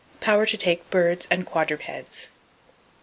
Power to Take Birds and Quadrupeds.